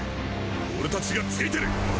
俺たちがついてる！